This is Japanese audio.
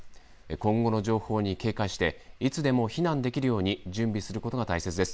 今後の情報に警戒して、いつでも避難できるように準備することが大切です。